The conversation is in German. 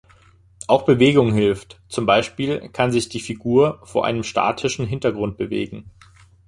Auch Bewegung hilft; zum Beispiel kann sich die Figur vor einem statischen Hintergrund bewegen.